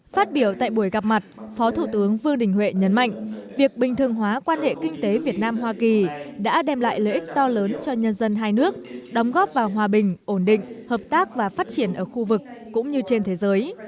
phát biểu tại buổi gặp mặt phó thủ tướng vương đình huệ nhấn mạnh việc bình thường hóa quan hệ kinh tế việt nam hoa kỳ đã đem lại lợi ích to lớn cho nhân dân hai nước đóng góp vào hòa bình ổn định hợp tác và phát triển ở khu vực cũng như trên thế giới